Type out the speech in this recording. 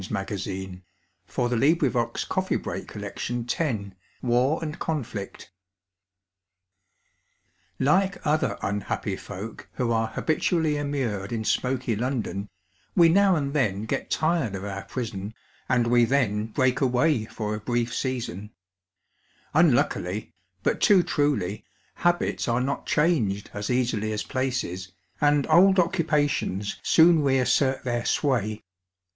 6. JldamM. lycmr I btliei 26 [JrLY, A SPECITLATIOI^ ON ENGLISH HISTOHY Like other unhappy folk who are habitually imraured smoky London^ we now aud then get tired of our prison, and we then break away for a brief season. Unluckily, but too truly, habita are not changed as easily as places, and old occu pations soon re assert their sway.